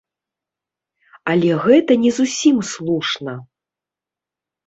Але гэта не зусім слушна.